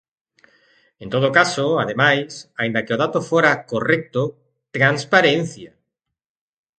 En todo caso, ademais, aínda que o dato fora correcto, ¡transparencia!